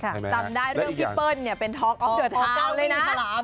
จำได้เรื่องพี่เปิ้ลเนี่ยเป็นทอล์กออกเดือดเท้าเลยนะ